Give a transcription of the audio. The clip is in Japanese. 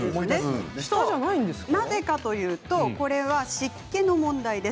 なぜかというとこれは湿気の問題です。